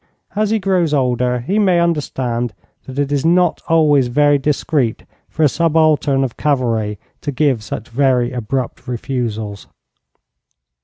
As he grows older he may understand that it is not always very discreet for a subaltern of cavalry to give such very abrupt refusals.'